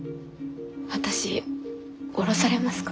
私降ろされますか？